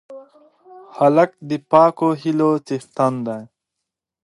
هلک د پاکو هیلو څښتن دی.